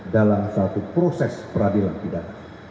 dalam suatu proses peradilan tidak